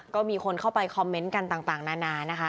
ก็มีคนเข้าไปคอมเมนต์กันต่างนานานะคะ